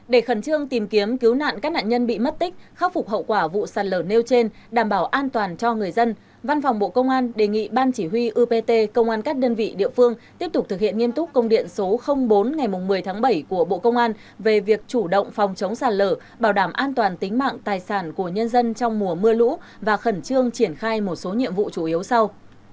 để khẩn trương tìm kiếm cứu nạn các nạn nhân bị mất tích khắc phục hậu quả vụ sàn lở nêu trên đảm bảo an toàn cho người dân văn phòng bộ công an đề nghị ban chỉ huy ưu pt công an các đơn vị địa phương tiếp tục thực hiện nghiêm túc công điện số bốn ngày một mươi tháng bảy của bộ công an về việc chủ động phòng chống sàn lở bảo đảm an toàn tính mạng tài sản của nhân dân trong mùa mưa lũ và khẩn trương triển khai một số nhiệm vụ chủ yếu sau